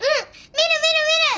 見る見る見る！